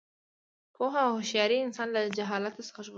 پوهه او هوښیاري انسان له جهالت څخه ژغوري.